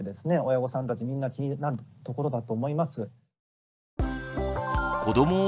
親御さんたちみんな気になるところだと思います。